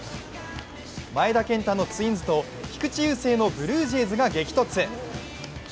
前田健太のツインズと菊池雄星のブルージェイズが激突。